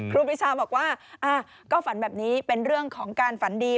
ครูปีชาบอกว่าก็ฝันแบบนี้เป็นเรื่องของการฝันดี